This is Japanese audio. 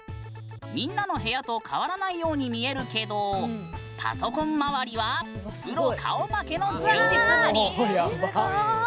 みんなの部屋と変わらないように見えるけどパソコン周りはプロ顔負けの充実ぶり！